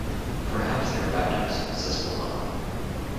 Perhaps they were baptized in the Susquehanna.